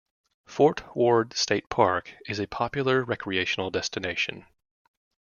Fort Ward State Park is a popular recreational destination.